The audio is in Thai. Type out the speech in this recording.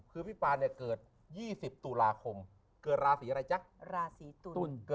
คือพี่ปานเกิด๒๐ตุลาคมเกิดราศีอะไรจ๊ะ